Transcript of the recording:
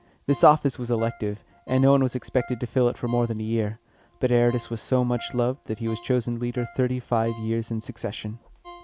This office was elective, and no one was expected to fill it for more than a year; but Aratus was so much loved that he was chosen leader thirty five years in succession.